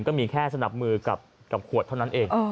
ก็มีแค่สนับมือกับขวดเท่านั้นเอง